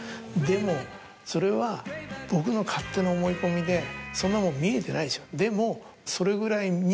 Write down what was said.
でもそれは僕の勝手な思い込みでそんなもん見えてないですよでも。